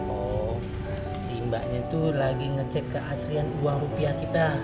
oh si mbaknya itu lagi ngecek keaslian uang rupiah kita